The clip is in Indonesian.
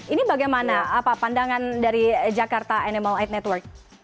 ini bagaimana pandangan dari jakarta animal aid network